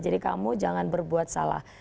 jadi kamu jangan berbuat salah